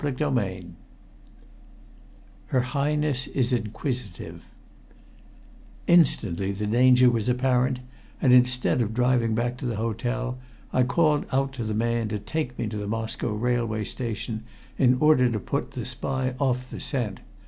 CHAPTER XIV HER HIGHNESS IS INQUISITIVE Instantly the danger was apparent, and instead of driving back to the hotel, I called out to the man to take me to the Moscow railway station, in order to put the spy off the scent.